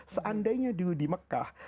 seandainya dulu di mekah